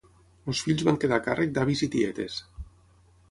Els fills van quedar a càrrec d'avis i tietes.